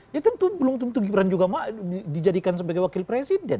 ya tentu belum tentu gibran juga dijadikan sebagai wakil presiden